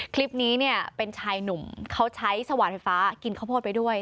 คลิปนี้เนี่ยเป็นชายหนุ่มเขาใช้สว่านไฟฟ้ากินข้าวโพดไปด้วย